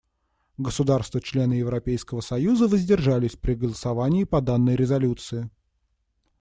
Государства — члены Европейского союза воздержались при голосовании по данной резолюции.